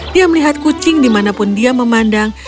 dia melihat kucing dimanapun dia memandang